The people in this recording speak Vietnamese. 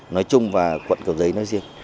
nói chung và quận cầu giấy nói riêng